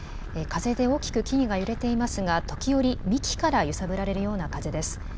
風で大きく木々が揺れていますが、時折、幹から揺さぶられるような風です。